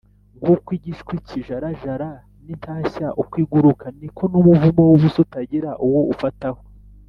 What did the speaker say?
nk’uko igishwi kijarajara, n’intashya uko iguruka, ni ko n’umuvumo w’ubusa utagira uwo ufataho